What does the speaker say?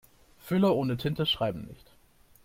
Füller ohne Tinte schreiben nicht.